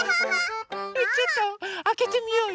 ⁉ちょっとあけてみようよ。